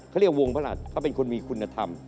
เขาเรียกวงพระหัสเขาเป็นคนมีคุณธรรม